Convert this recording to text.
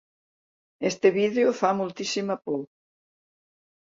Este vídeo fa moltíssima por.